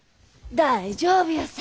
大丈夫やさ。